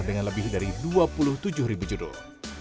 dengan lebih dari dua puluh tujuh ribu judul